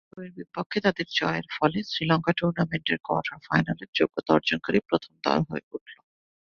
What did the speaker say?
জিম্বাবুয়ের বিপক্ষে তাদের জয়ের ফলে শ্রীলঙ্কা টুর্নামেন্টের কোয়ার্টার ফাইনালের যোগ্যতা অর্জনকারী প্রথম দল হয়ে উঠল।